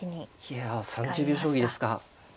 いや３０秒将棋ですか。